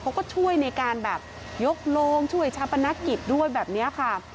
เขาก็ช่วยในการแบบยกโลงช่วยชาปนกิจด้วยแบบนี้ค่ะ